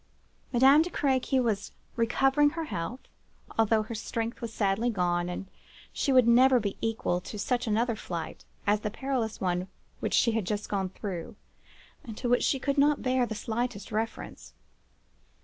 Madame de Crequy was recovering her health, although her strength was sadly gone, and she would never be equal to such another flight, as the perilous one which she had gone through, and to which she could not bear the slightest reference.